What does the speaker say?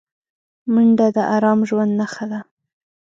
منډه د ارام ژوند نښه ده